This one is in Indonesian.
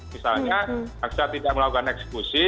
misalnya jaksa tidak melakukan eksekusi